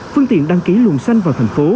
phương tiện đăng ký luồng xanh vào thành phố